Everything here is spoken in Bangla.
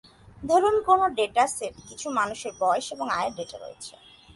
ধরুন কোন ডেটাসেটে কিছু মানুষের বয়স এবং আয়ের ডেটা রয়েছে।